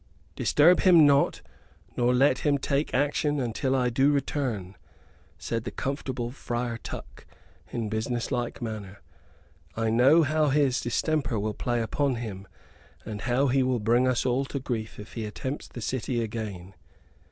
"Disturb him not nor let him take action until I do return," said the comfortable Friar Tuck, in business like manner. "I know how his distemper will play upon him, and how he will bring us all to grief if he attempts the city again.